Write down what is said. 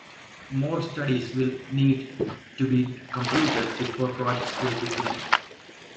More studies will need to be completed before projects will begin.